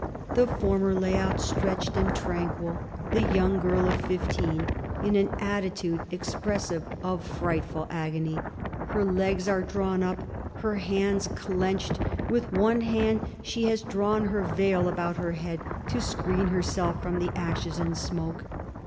The former lay outstretched and tranquil; the young girl of fifteen, in an attitude expressive of frightful agony. Her legs are drawn up and her hands clinched. With one hand she had drawn her veil about her head, to screen herself from the ashes and smoke.